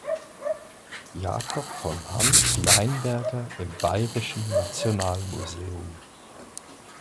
Jakob von Hans Leinberger im Bayerischen Nationalmuseum.